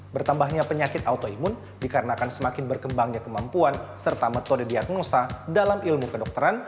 bertambahnya penyakit autoimun dikarenakan semakin berkembangnya kemampuan serta metode diagnosa dalam ilmu kedokteran